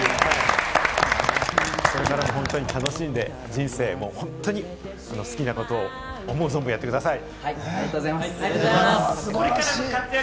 これからもホントに楽しんで人生を本当に好きなことを思う存分やってください。